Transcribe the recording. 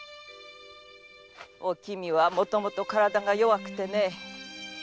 おきみはもともと体が弱くてね。